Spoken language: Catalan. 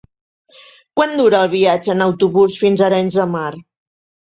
Quant dura el viatge en autobús fins a Arenys de Mar?